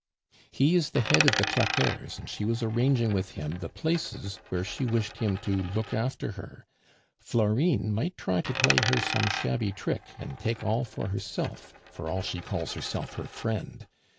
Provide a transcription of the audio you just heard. "He is the head of the claqueurs, and she was arranging with him the places where she wished him to look after her. Florine might try to play her some shabby trick, and take all for herself, for all she calls herself her friend.